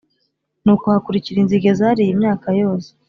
Nuko hakurikira inzige zariye imyaka yose